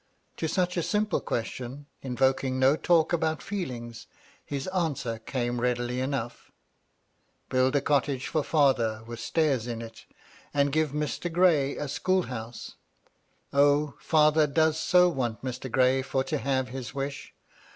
To such a simple question, involving no talk about feelings, his answer came readily enougk '^ Build a cottage for £either, with stairs in it, and give Mr. Gray a school house. O, fether does so want Mr. Gray for to have his wish